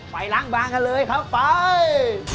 ไปล้างบางกันเลยครับไป